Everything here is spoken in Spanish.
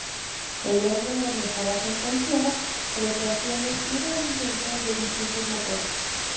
Ello redunda en mejoras en consumo, prestaciones y rendimiento de distintos motores.